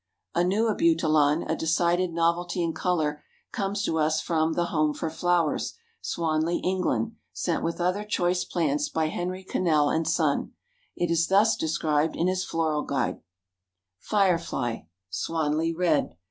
A new Abutilon, a decided novelty in color, comes to us from "The Home for Flowers," Swanley, England, sent with other choice plants by Henry Cannell & Son. It is thus described in his Floral Guide: FIREFLY (Swanley Red).